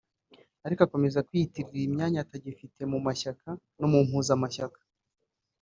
Ariko akomeza kwiyitirira imyanya atagifite mu ishyaka no mu mpuzamashyaka